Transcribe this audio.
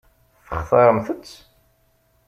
Textaṛemt-tt?